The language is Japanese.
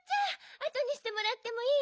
あとにしてもらってもいい？